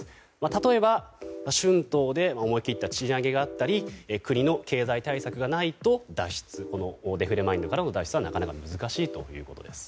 例えば、春闘で思い切った賃上げがあったり国の経済対策がないとデフレマインドからの脱出はなかなか難しいということです。